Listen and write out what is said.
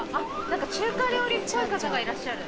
中華料理っぽい方がいらっしゃる。